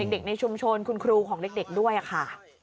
ในชุมชนคุณครูของเด็กด้วยค่ะ